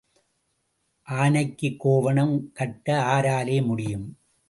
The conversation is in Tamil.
ஆனைக்குக் கோவணம் கட்ட ஆராலே முடியும்?